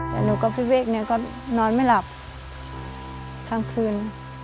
หนูกับพี่เว้งก็นอนไม่หลับทั้งคืน